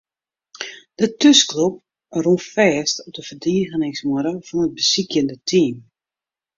De thúsklup rûn fêst op de ferdigeningsmuorre fan it besykjende team.